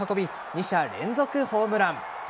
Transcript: ２者連続ホームラン。